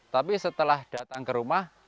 tapi setelah datang ke rumah